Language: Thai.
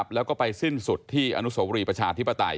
แล้วก็ไปสิ้นสุดที่อนุโสรีประชาธิปไตย